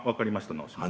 直します。